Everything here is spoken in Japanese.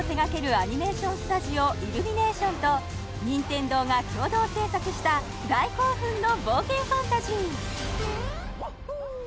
アニメーションスタジオイルミネーションと任天堂が共同製作した大興奮の冒険ファンタジーＷａｈｏｏ！